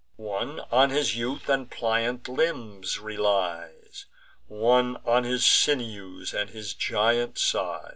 One on his youth and pliant limbs relies; One on his sinews and his giant size.